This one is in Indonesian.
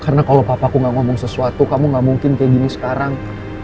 karena kalau papaku gak ngomong sesuatu kamu gak mungkin kayak gini sekarang